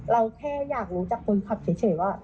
เราแค่อยากรู้จากคนขับเฉยว่า